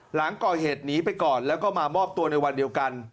หลังก่อเหตุหนีไปก่อนแล้วก็มามอบตัวในวันเดียวกัน